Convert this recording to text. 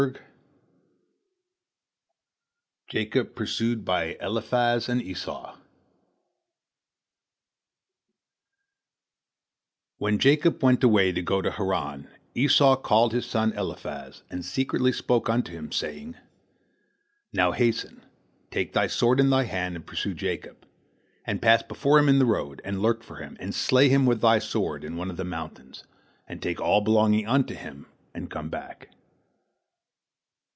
" JACOB PURSUED BY ELIPHAZ AND ESAU When Jacob went away to go to Haran, Esau called his son Eliphaz, and secretly spoke unto him, saying: "Now hasten, take thy sword in thy hand and pursue Jacob, and pass before him in the road, and lurk for him and slay him with thy sword in one of the mountains, and take all belonging unto him, and come back."